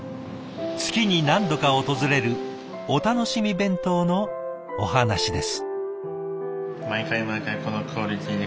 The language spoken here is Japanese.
月に何度か訪れるお楽しみ弁当のお話です。